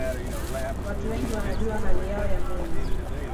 watu wengi wanajua hali yao ya mwili